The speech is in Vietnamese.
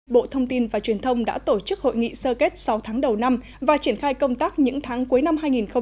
bộ thông tin và truyền thông đã tổ chức hội nghị sơ kết sáu tháng đầu năm và triển khai công tác những tháng cuối năm hai nghìn hai mươi